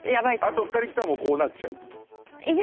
あと２人いったらもうこうなっちゃう？